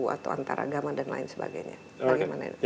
atau antar agama dan lain sebagainya